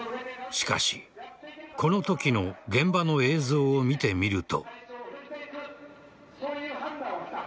しかし、このときの現場の映像を見てみると。